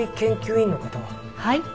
はい。